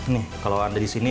nih kalau anda di sini